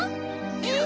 えっ？